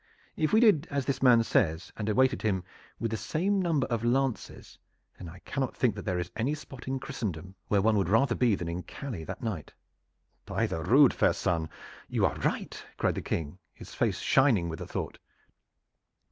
If we did as this man says and awaited him with the same number of lances, then I cannot think that there is any spot in Christendom where one would rather be than in Calais that night." "By the rood, fair son, you are right!" cried the King, his face shining with the thought.